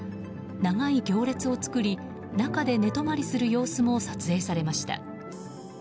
長い行列を作り中で寝泊まりする様子も撮影されました。